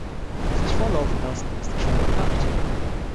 Sich volllaufen lassen bis die Schwarte kracht.